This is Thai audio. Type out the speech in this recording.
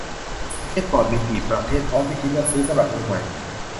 สเกตบอร์ดมีกี่ประเภท พร้อมวิธีเลือกซื้อสำหรับมือใหม่